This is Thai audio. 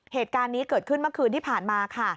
เหตุการณ์นี้เกิดขึ้นเมื่อคืนที่ผ่านมาค่ะ